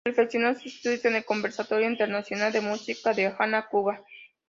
Perfeccionó sus estudios en el Conservatorio Internacional de Música de La Habana, Cuba.